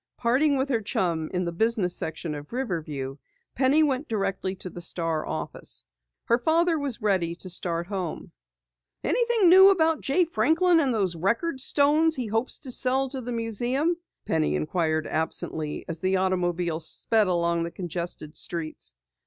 Parting with her chum in the business section of Riverview, Penny went directly to the Star office. Her father was ready to start home. "Anything new about Jay Franklin and those record stones he hopes to sell to the museum?" Penny inquired absently as the automobile sped along the congested streets.